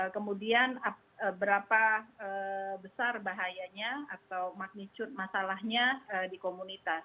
kemudian berapa besar bahayanya atau magnitude masalahnya di komunitas